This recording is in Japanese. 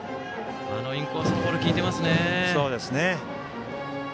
あのインコースのボールは効いていますね。